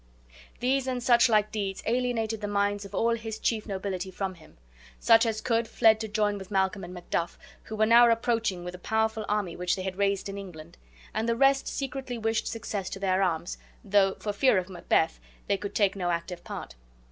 These and such like deeds alienated the minds of all his chief nobility from him. Such as could fled to join with Malcolm and Macduff, who were now approaching with a powerful army which they had raised in England; and the rest secretly wished success to their arms, though, for fear of Macbeth, they could take no active part.